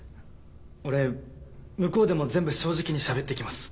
俺向こうでも全部正直にしゃべってきます。